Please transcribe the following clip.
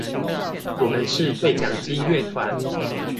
我們是對講機樂團